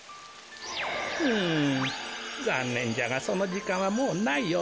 うんざんねんじゃがそのじかんはもうないようじゃ。